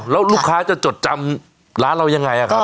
แล้วลูกค้าจะจดจำร้านเรายังไงครับ